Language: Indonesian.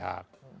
jadi itu hak